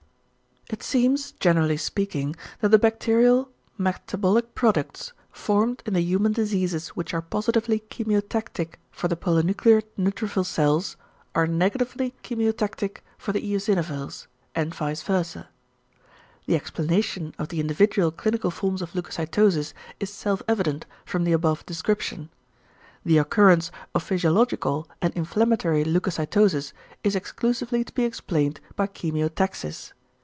It seems, generally speaking, that the bacterial =metabolic products formed in human diseases which are positively chemiotactic for the polynuclear neutrophil cells are negatively chemiotactic= for the eosinophils, and vice versâ. The explanation of the individual clinical forms of leucocytosis is self evident from the above description. The occurrence of physiological and inflammatory leucocytosis is exclusively to be explained by chemiotaxis.